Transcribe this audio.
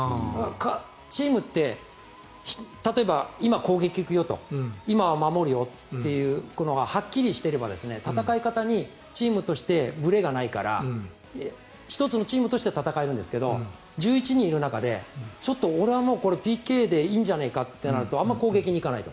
チームって例えば今、攻撃行くよと今は守るよというのがはっきりしていれば戦い方にチームとしてブレがないから１つのチームとしては戦えるんですが１１人いる中で、俺はもうＰＫでいいんじゃないかとなるとあまり攻撃に行かないと。